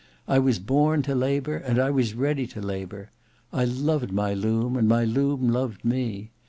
I was born to labour, and I was ready to labour. I loved my loom and my loom loved me.